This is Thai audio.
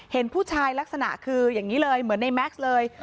เห็นผู้ชายลักษณะคืออย่างนี้เลยเหมือนในแม็กซ์เลย